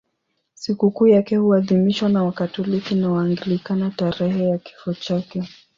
Sikukuu yake huadhimishwa na Wakatoliki na Waanglikana tarehe ya kifo chake.